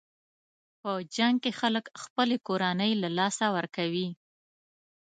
په جنګ کې خلک خپلې کورنۍ له لاسه ورکوي.